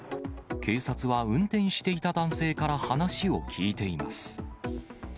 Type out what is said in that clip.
警察は、運転していた男性から話を聞いています。